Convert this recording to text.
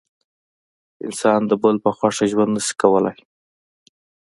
انسان د بل په خوښه ژوند نسي کولای.